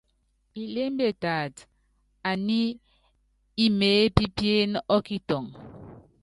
Ilémbie taata, ani imeépípíene ɔ́kitɔŋɔ.